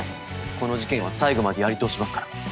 この事件は最後までやり通しますから。